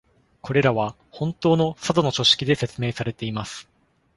これらは本当のサドの書式で説明されています。